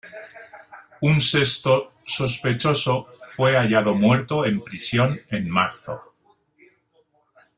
Un sexto sospechoso fue hallado muerto en prisión en marzo.